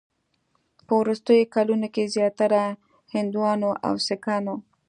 په وروستیو کلونو کې زیاتره هندوانو او سیکانو